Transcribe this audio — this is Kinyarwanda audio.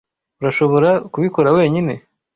Urashobora kubikora wenyine.